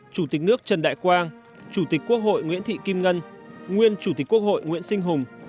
chủ tịch nước trần đại quang chủ tịch quốc hội nguyễn thị kim ngân nguyên chủ tịch quốc hội nguyễn sinh hùng